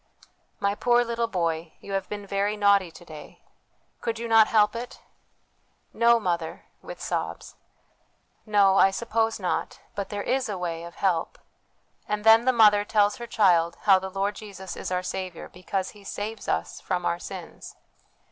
' My poor little boy, you have been very naughty to day ! Could you not help it ?'' No, mother,' with sobs. ' No, I suppose not ; but there is a way of help.' And then the mother tells her child how the Lord Jesus is our Saviour, because He saves us from our sins.